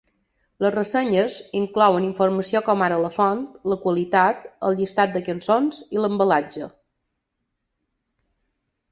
Les ressenyes inclouen informació com ara la font, la qualitat, el llistat de cançons i l'embalatge.